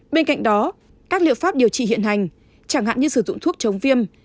bên cạnh đó các liệu pháp điều trị hiện hành chẳng hạn như sử dụng thuốc chống viêm